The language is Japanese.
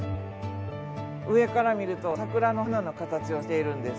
上から見ると桜の花の形をしているんです。